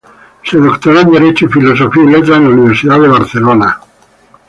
Se doctoró en Derecho y Filosofía y Letras en la Universidad de Barcelona.